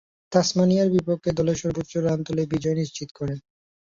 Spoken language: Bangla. তাসমানিয়ার বিপক্ষে দলের সর্বোচ্চ রান তুলে বিজয় নিশ্চিত করেন।